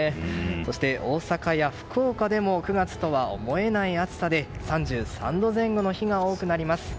そして大阪や福岡でも９月とは思えない暑さで３３度前後の日が多くなります。